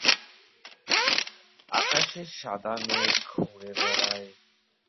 আকাশে সাদা মেঘ ঘুরে বেড়ায়।